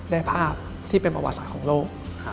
ได้ภาพที่เป็นประวัติศาสตร์ของโลก